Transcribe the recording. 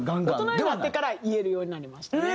大人になってから言えるようになりましたね。